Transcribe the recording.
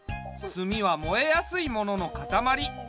炭は燃えやすいもののかたまり。